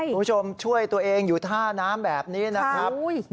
คุณผู้ชมช่วยตัวเองอยู่ท่าน้ำแบบนี้นะครับ